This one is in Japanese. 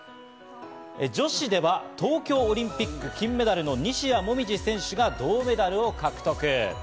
女子では東京オリンピック金メダルの西矢椛選手が銅メダルを獲得。